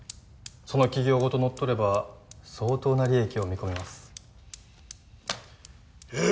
その企業ごと乗っ取れば相当な利益を見込めますよ